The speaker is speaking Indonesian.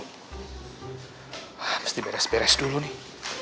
mesti beres beres dulu nih